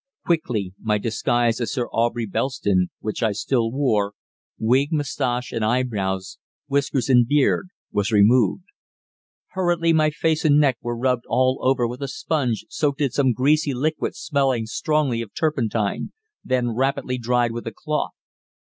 Quickly my disguise as Sir Aubrey Belston, which I still wore wig, moustache and eyebrows, whiskers and beard was removed. Hurriedly my face and neck were rubbed all over with a sponge soaked in some greasy liquid smelling strongly of turpentine, then rapidly dried with a cloth.